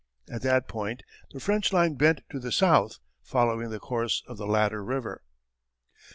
At that point the French line bent to the south following the course of the latter river.